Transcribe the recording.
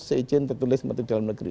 seizin tertulis menteri dalam negeri